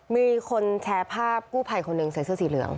มีคนแชร์ภาพกู้ภัยคนหนึ่งใส่เสื้อสีเหลือง